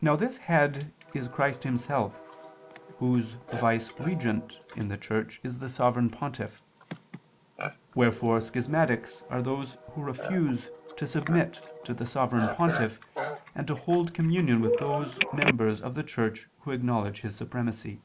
Now this Head is Christ Himself, Whose viceregent in the Church is the Sovereign Pontiff. Wherefore schismatics are those who refuse to submit to the Sovereign Pontiff, and to hold communion with those members of the Church who acknowledge his supremacy.